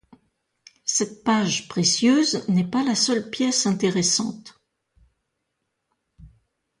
Cette page précieuse n’est pas la seule pièce intéressante